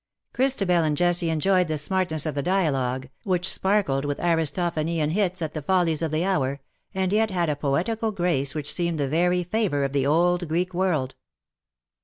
Christabel and Jessie enjoyed the smartness of the dialogue, which sparkled with Aristophanian hits at the follies of the hour, and yet had a poetical grace which seemed the very flavour of the old Greek world.